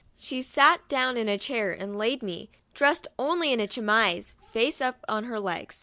She sat down in a chair and laid me, dressed only in my chemise, face up, on her lap.